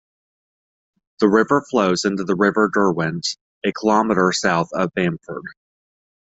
The river flows into the River Derwent a kilometre south of Bamford.